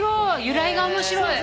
由来が面白い。